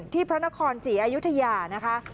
ที่พระนครศรีอายุทยานะคะ